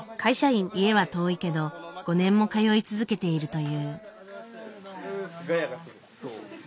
家は遠いけど５年も通い続けているという。